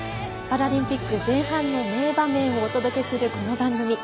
パラリンピック前半の名場面をお届けする、この番組。